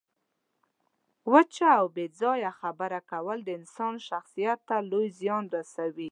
وچه او بې ځایه خبره کول د انسان شخصیت ته لوی زیان رسوي.